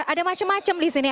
ada macam macam di sini